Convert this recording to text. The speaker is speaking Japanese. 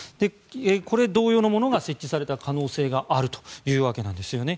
これ、同様のものが設置された可能性があるということなんですよね。